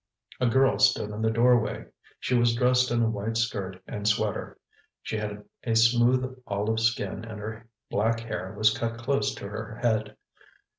A girl stood in the doorway. She was dressed in a white skirt and sweater. She had a smooth olive skin and her black hair was cut close to her head.